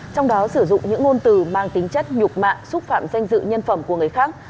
trong đó sử dụng những ngôn từ mang tính chất nhục mạ xúc phạm danh dự nhân phẩm của người khác